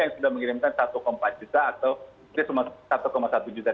yang sudah mengirimkan satu empat juta atau mungkin cuma satu satu juta